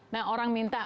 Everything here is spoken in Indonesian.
nah orang minta